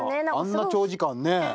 あんな長時間ね。